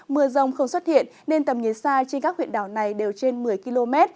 mưa rông không xuất hiện nên tầm nhiệt xa trên các huyện đảo này đều trên một mươi km